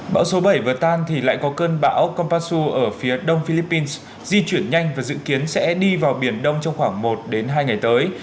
bão số bảy vừa tan thì lại có cơn bão kompasu ở phía đông philippines di chuyển nhanh và dự kiến sẽ đi vào biển đông trong khoảng một hai ngày tới